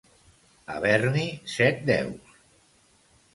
Haver-n'hi set deus.